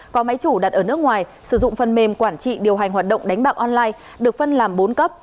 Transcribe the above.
có máy chủ đặt ở nước ngoài sử dụng phần mềm quản trị điều hành hoạt động đánh bạc online được phân làm bốn cấp